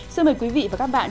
xin mời quý vị và các bạn